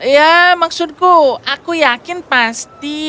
ya maksudku aku yakin pasti